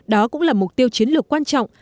đó cũng là mục tiêu chiến lược quan trọng